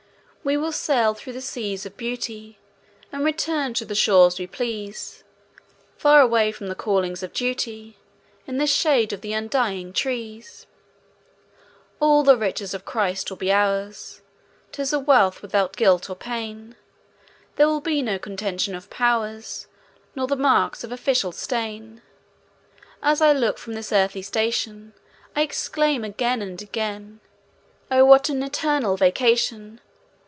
We will sail through the seas of beauty, And return to the shores we please; Far away from the callings of duty, In the shade of undying trees. All the riches of Christ will be ours, 'Tis a wealth without guilt or pain. There will be no 'Contention of Powers', Nor the marks of official stain. As I look from this earthly station, I exclaim again and again O what an eternal vacation!